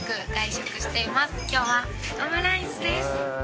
今日はオムライスです！